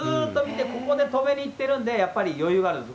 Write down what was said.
ここで止めにいってるんで、やっぱり、余裕があるんです。